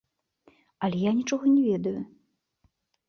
Але я нічога не ведаю.